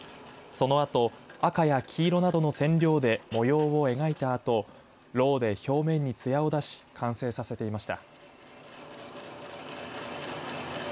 そのあと赤や黄色などの染料で模様を描いた後ろうで表面につやを出し完成させていました。